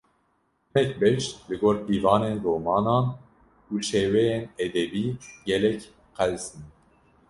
Hinek beş, li gor pîvanên romanan û şêweyên edebî gelek qels in